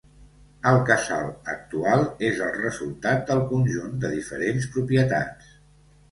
El casal actual és el resultat del conjunt de diferents propietats.